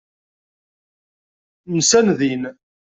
Nsan din.